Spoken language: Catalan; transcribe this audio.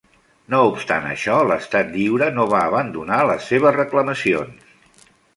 No obstant això, l'Estat Lliure no va abandonar les seves reclamacions.